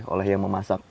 oleh yang memasak